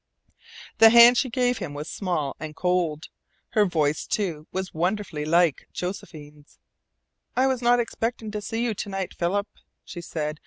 The hand she gave him was small and cold. Her voice, too, was wonderfully like Josephine's. "I was not expecting to see you to night, Philip," she said.